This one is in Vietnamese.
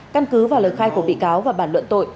căn cứ vào lời khai của bị cáo và bản luận tội